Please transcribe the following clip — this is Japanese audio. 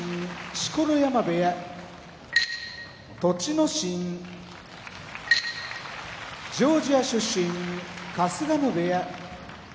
錣山部屋栃ノ心ジョージア出身春日野部屋